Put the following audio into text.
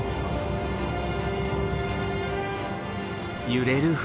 揺れる船。